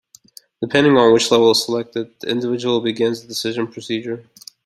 Depending on which level is selected, the individual begins the decision procedure.